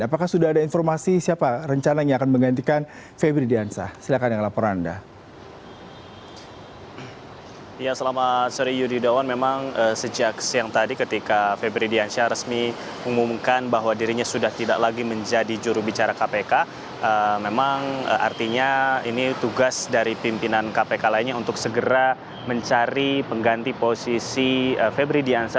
apakah sudah ada informasi siapa rencananya yang akan menggantikan febri diansa